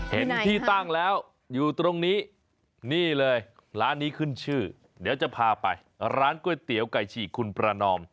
เห็นที่ตั้งแล้วอยู่ตรงนี้นี่เลยร้านนี้ขึ้นชื่อเดี๋ยวจะพาไปร้านก๋วยเตี๋ยวไก่ฉีกคุณประนอม